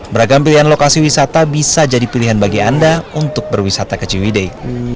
beragam pilihan lokasi wisata bisa jadi pilihan bagi anda untuk berwisata ke ciwidei